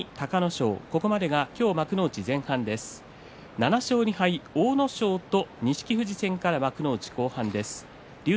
７勝２敗の阿武咲と錦富士戦から幕内後半です。